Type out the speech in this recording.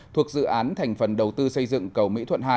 thuộc dự án thành phần đầu tư xây dựng cầu mỹ thuận hai